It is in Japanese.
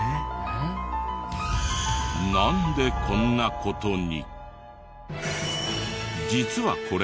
なんでこんな事に？